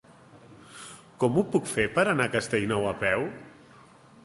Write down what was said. Com ho puc fer per anar a Castellnou a peu?